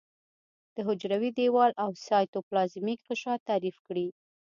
د حجروي دیوال او سایتوپلازمیک غشا تعریف کړي.